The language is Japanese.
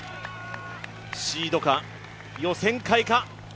シードか予選会か。